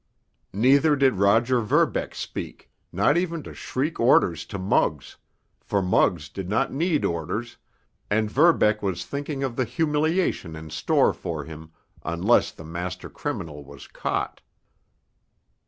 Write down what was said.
Neither did Roger Verbeck speak, not even to shriek orders to Muggs, for Muggs did not need orders, and Verbeck was thinking of the humiliation in store for him unless the master criminal was caught.